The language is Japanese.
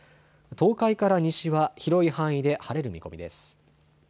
東海から西は広い範囲で晴れる見込みです。